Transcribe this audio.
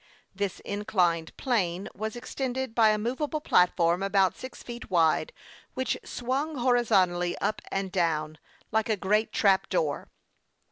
This inclined plane was extended by a movable platform about six feet wide, which swung horizontally up and down, like a great trap door.